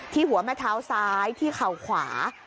หัวแม่เท้าซ้ายที่เข่าขวา